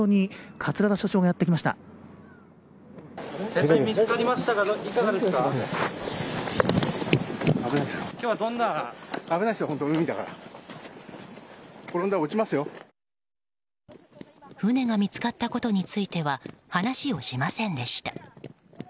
船が見つかったことについては話をしませんでした。